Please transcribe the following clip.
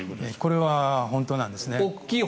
これは本当なんですね。